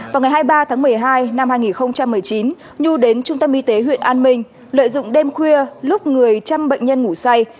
vào ngày hai mươi ba tháng một mươi hai năm hai nghìn một mươi chín nhu đến trung tâm y tế huyện an minh lợi dụng đêm khuya lúc người chăm bệnh nhân ngủ say